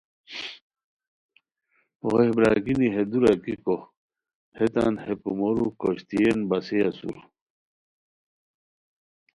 ہو ہے برارگینی ہے دورا گیکو ہیتان ہے کومورو کھوشتیئن بسئےاسور